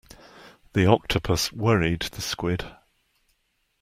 The octopus worried the squid.